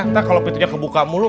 ternyata kalau pintunya kebuka mulu